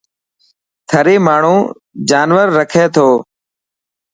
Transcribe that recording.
ٿري ماڻهو جانور رکي ٿو.